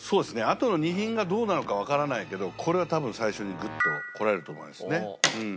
あとの２品がどうなのかわからないけどこれは多分最初にグッとこられると思いますね。